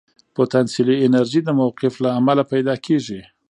پوتانسیلي انرژي د موقف له امله پیدا کېږي.